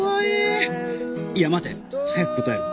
いや待て。早く答えろ